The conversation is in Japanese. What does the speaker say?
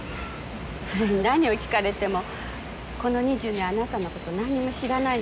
それに何を聞かれてもこの２０年あなたのこと何にも知らないんですもの。